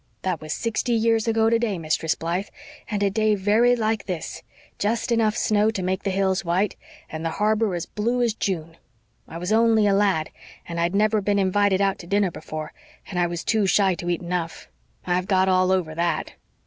That was sixty years ago today, Mistress Blythe and a day very like this just enough snow to make the hills white, and the harbor as blue as June. I was only a lad, and I'd never been invited out to dinner before, and I was too shy to eat enough. I've got all over THAT."